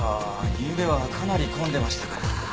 ゆうべはかなり混んでましたから。